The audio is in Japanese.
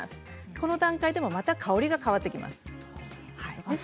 この段階でもまた香りが変わってきます。